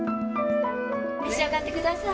召し上がってください。